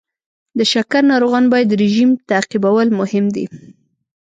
د شکر ناروغان باید رژیم تعقیبول مهم دی.